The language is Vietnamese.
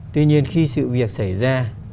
tuy nhiên khi sự việc xảy ra